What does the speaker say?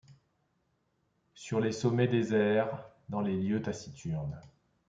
Sur les sommets déserts, dans les lieux taciturnes